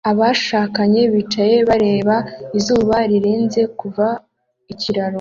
Abashakanye bicaye bareba izuba rirenze kuva ikiraro